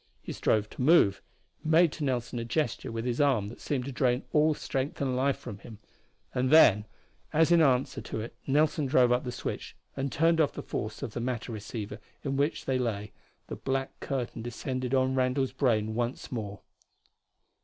He strove to move, made to Nelson a gesture with his arm that seemed to drain all strength and life from him; and then, as in answer to it Nelson drove up the switch and turned off the force of the matter receiver in which they lay, the black curtain descended on Randall's brain once more.